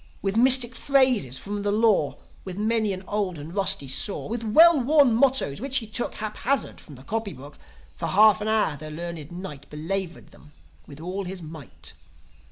With mystic phrases from the Law, With many an old and rusty saw, With well worn mottoes, which he took Haphazard from the copy book, For half an hour the learned Knight Belaboured them with all his might.